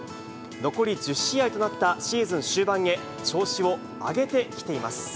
残り１０試合となったシーズン終盤へ、調子を上げてきています。